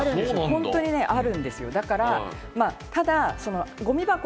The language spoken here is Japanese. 本当にあるんですよ。